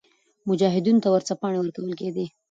مجاهدینو ته ورځپاڼې ورکول کېدې.